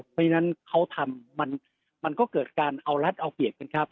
เพราะฉะนั้นเขาทำมันก็เกิดการเอารัฐเอาเปรียบกันครับ